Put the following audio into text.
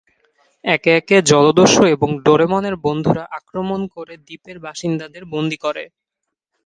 একে একে, জলদস্যু এবং ডোরেমনের বন্ধুরা আক্রমণ করে দ্বীপের বাসিন্দাদের বন্দী করে।